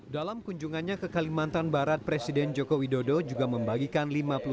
dalam kunjungannya ke kalimantan barat presiden joko widodo juga membagikan